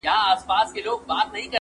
که یو ځلي دي نغمه کړه راته سازه-